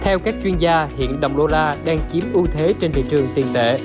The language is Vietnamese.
theo các chuyên gia hiện đồng đô la đang chiếm ưu thế trên thị trường tiền tệ